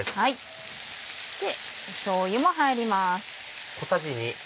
しょうゆも入ります。